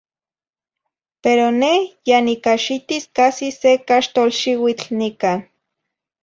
Pero neh ya nicaxitis casi se caxtol xiuitl nican.